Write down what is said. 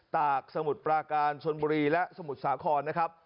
ตากสมุทรปราการชนบุรีและสมุทรสาครนะครับ